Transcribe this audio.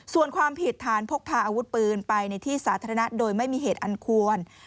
ส่วนความผิดฐานพกพาอาวุธปืนไปในที่สาธารณะโดยไม่มีเหตุอันควร